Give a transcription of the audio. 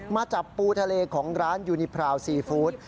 จับปูทะเลของร้านยูนิพราวซีฟู้ด